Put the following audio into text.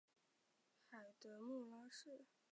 海德穆拉市是瑞典中部达拉纳省的一个自治市。